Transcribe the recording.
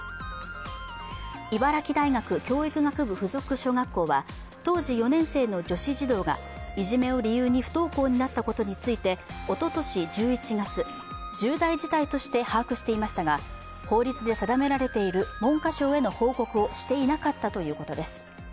茨城大学教育学部付属小学校は当時４年生の女子児童がいじめを理由に不登校になったことについて、おととし１１月、重大事態として把握していましたが、法律で定められている文科省への報告をしていなかったということです。